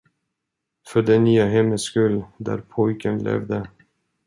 För det nya hemmets skull, där pojken levde.